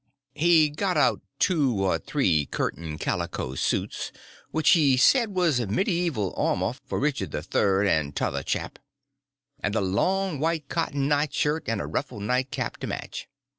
He got out two or three curtain calico suits, which he said was meedyevil armor for Richard III. and t'other chap, and a long white cotton nightshirt and a ruffled nightcap to match.